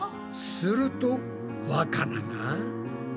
するとわかなが。